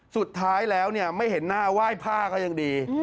สุดท้ายแล้วไม่เห็นหน้าไหว้ผ้าก็ยังดี